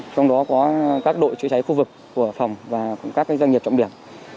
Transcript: trong đó có các đội chữa cháy khu vực của phòng và các doanh nghiệp trọng điểm